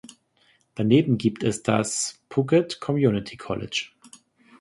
Daneben gibt es das Phuket Community College.